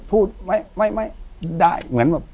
อยู่ที่แม่ศรีวิรัยิลครับ